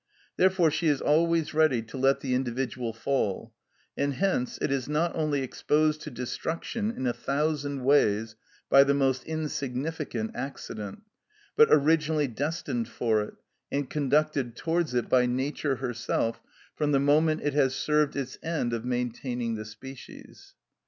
Therefore she is always ready to let the individual fall, and hence it is not only exposed to destruction in a thousand ways by the most insignificant accident, but originally destined for it, and conducted towards it by Nature herself from the moment it has served its end of maintaining the species.